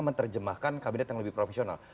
menerjemahkan kabinet yang lebih profesional